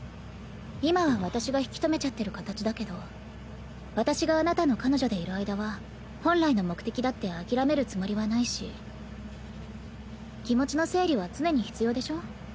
今は私が引き止めちゃってる形だけど私があなたの彼女でいる間は本来の目的だって諦めるつもりはないし気持ちの整理は常に必要でしょ。